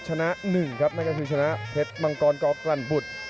ชนะ๑ครับนั่นก็คือชนะเพชรมังกรกลั่นบุตร